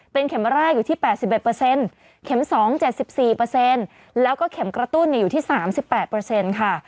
เป็นเข็มแรกอยู่ที่๘๑เข็ม๒๗๔แล้วก็เข็มกระตุ้นอยู่ที่๓๘ค่ะ